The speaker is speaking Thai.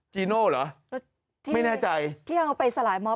จีโน่เหรอไม่แน่ใจ